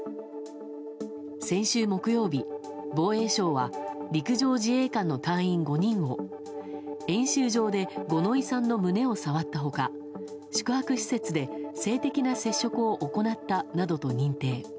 先週木曜日、防衛省は陸上自衛官の隊員５人を演習場で五ノ井さんの胸を触った他宿泊施設で性的な接触を行ったなどと認定。